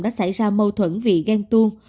đã xảy ra mâu thuẫn vì ghen tuôn